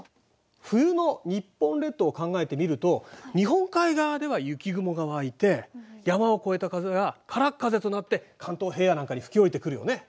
冬の日本列島を考えてみると日本海側では雪雲が湧いて山を越えた風がからっ風となって関東平野なんかに吹き降りてくるよね。